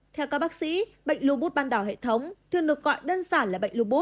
theo các bác sĩ bệnh lưu bút ban đảo hệ thống thường được gọi đơn giản là bệnh lưu bút